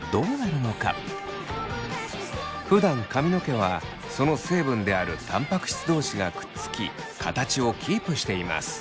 ふだん髪の毛はその成分であるたんぱく質同士がくっつき形をキープしています。